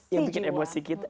yang bikin emosi kita